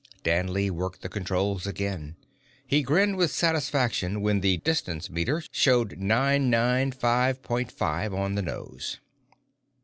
Danley worked the controls again. He grinned with satisfaction when the distance meter showed nine nine five point five on the nose.